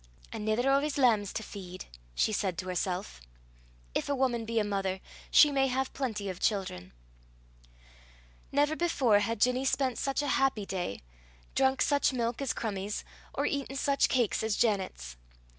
"Anither o' 's lambs to feed!" she said to herself. If a woman be a mother she may have plenty of children. Never before had Ginny spent such a happy day, drunk such milk as Crummie's, or eaten such cakes as Janet's.